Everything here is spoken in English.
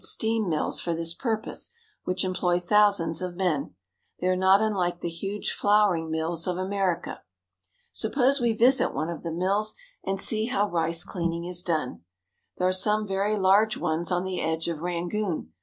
RICE 229 steam mills for this purpose which employ thousands of men. They are not unlike the huge flouring mills of America. Suppose we visit one of the mills and see how rice cleaning is done. There are some very large ones on the edge of Rangoon.